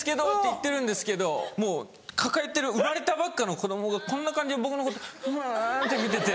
言ってるんですけどもう抱えてる生まれたばっかの子供がこんな感じで僕のことあって見てて。